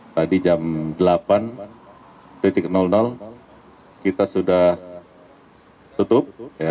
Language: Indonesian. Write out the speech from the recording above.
tadi jam delapan kita sudah tutup